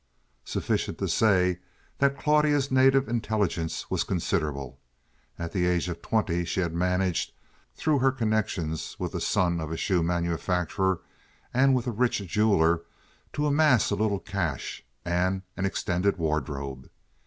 Sufficient to say that Claudia's native intelligence was considerable. At the age of twenty she had managed—through her connections with the son of a shoe manufacturer and with a rich jeweler—to amass a little cash and an extended wardrobe.